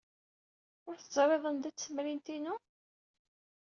Ur teẓriḍ anda-tt temrint-inu?